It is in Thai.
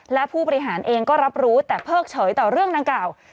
และผู้บริหารเองก็รับรู้แต่เพิกเฉยต่อเรื่องดังกล่าว